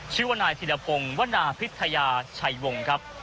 ชื่อว่านายธิรพงศ์วนาพิทยาชัยวงครับ